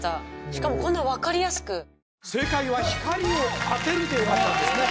しかもこんな分かりやすく正解は「光を当てる」でよかったんですね